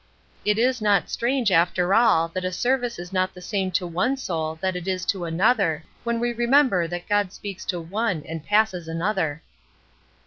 It is not strange after all that a service is not the same to one soul that it is to another, when we remember that God speaks to one and passes another.